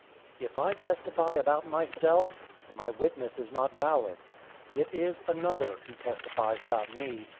005:031 "If I testify about myself, my witness is not valid. 005:032 It is another who testifies about me.